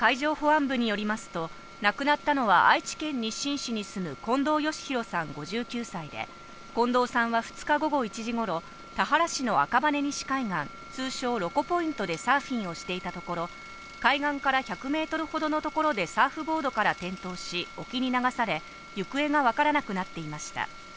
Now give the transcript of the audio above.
鳥羽海上保安部によりますと、亡くなったのは愛知県日進市に住む近藤薫拓さん・５９歳で、近藤さんは２日午後１時ごろ、田原市の赤羽根西海岸、通称・ロコポイントでサーフィンをしていたところ、海岸から１００ｍほどのところでサーフボードから転倒し、沖に流され、行方がわからなくなっていました。